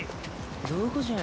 どこじゃ？